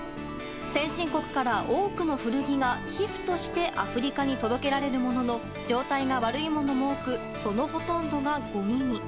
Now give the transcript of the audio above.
先進国から多くの古着が寄付としてアフリカに届けられるものの状態が悪いものも多くそのほとんどがごみに。